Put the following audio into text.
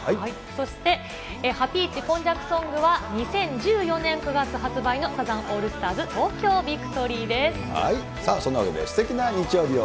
そして、ハピイチ今昔ソングは、２０１４年９月発売のサザンオールスターそんなわけで、すてきな日曜日を。